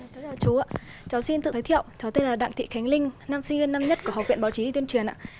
chào chú ạ cháu xin tự giới thiệu cháu tên là đặng thị khánh linh năm sinh viên năm nhất của học viện báo chí tiên truyền ạ